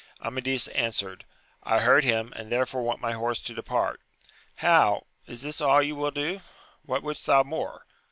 Amadis answered, I heard him, and therefore want my horse to depart. — How ! is this all you will do? — What wouldst thou more?